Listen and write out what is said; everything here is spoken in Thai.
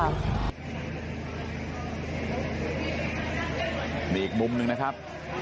นี่อีกมุมนึงนะครับ